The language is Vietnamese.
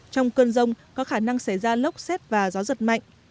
trong cơn rông có khả năng xảy ra lốc xét và gió giật mạnh